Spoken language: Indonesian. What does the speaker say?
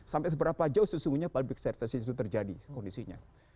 sampai seberapa jauh sesungguhnya public service itu terjadi kondisinya